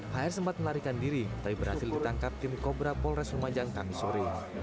h r sempat melarikan diri tapi berhasil ditangkap tim kobra polres lumajang kamisuri